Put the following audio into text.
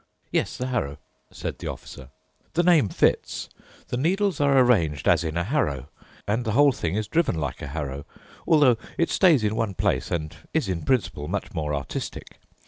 "Yes, the harrow," said the Officer. "The name fits. The needles are arranged as in a harrow, and the whole thing is driven like a harrow, although it stays in one place and is, in principle, much more artistic.